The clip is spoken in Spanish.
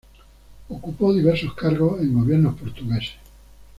Ocupó diversos cargos en gobiernos portugueses.